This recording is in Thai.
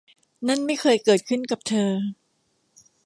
นั่นไม่เคยเกิดขึ้นกับเธอ